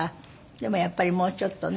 でもやっぱりもうちょっとね。